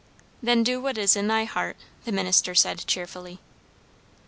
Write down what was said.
"Then do what is in thine heart," the minister said cheerfully.